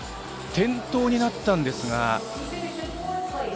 転倒になったんですが。